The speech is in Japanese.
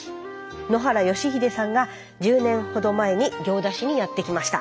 野原徳秀さんが１０年ほど前に行田市にやって来ました。